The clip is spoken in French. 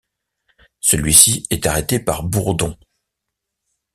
Celui-ci est arrêté par Bourdon.